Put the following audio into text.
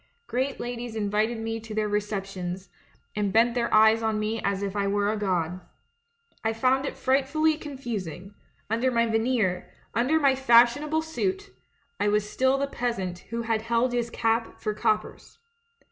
Great ladies invited me to their receptions, and bent their eves on me as if I were a ffod. I found it frightfully confusing; under my veneer, under my fashionable suit, I was still the peasant who had held his cap for coppers.